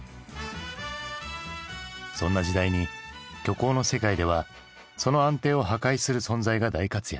そんな時代に虚構の世界ではその安定を破壊する存在が大活躍。